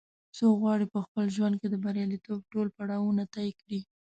څوک غواړي چې په خپل ژوند کې د بریالیتوب ټول پړاوونه طې کړي